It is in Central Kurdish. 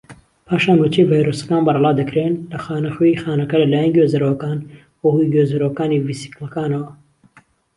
پاشان وەچەی ڤایرۆسەکان بەرەڵا دەکرێن لە خانەخوێی خانەکە لەلایەن گوێزەرەوەکان بەهۆی گوێزەرەوەکانی ڤیسیکڵەکانەوە.